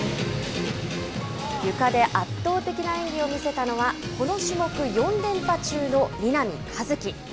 ゆかで圧倒的な演技を見せたのは、この種目４連覇中の南一輝。